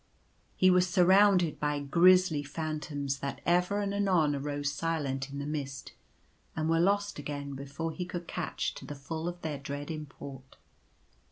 He was surrounded by griesly phantoms that ever and anon arose silent in the mist, and were lost again before he could catch to the full their dread import.